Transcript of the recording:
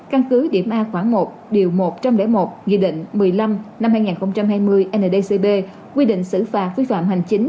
căn cứ điểm a khoảng một điều một trăm linh một nghị định một mươi năm năm hai nghìn hai mươi ndcp quy định xử phạt vi phạm hành chính